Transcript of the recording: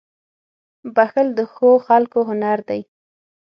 • بښل د ښو خلکو هنر دی.